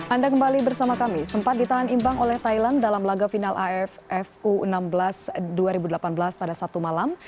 anda kembali bersama kami sempat ditahan imbang oleh thailand dalam laga final aff u enam belas dua ribu delapan belas pada sabtu malam